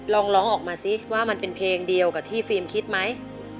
ลองร้องออกมาสิว่ามันเป็นเพลงเดียวกับที่ฟิล์มคิดไหม